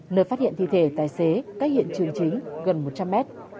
nơi phát hiện thi thể tài xế cách hiện trường chính gần một trăm linh mét